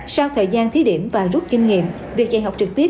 sau thời gian thí điểm và rút kinh nghiệm việc dạy học trực tiếp